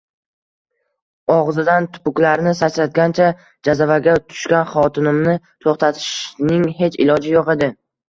Og'zidan tupuklarini sachratgancha jazavaga tushgan xotinimni to'xtatishning xech iloji yo'q edi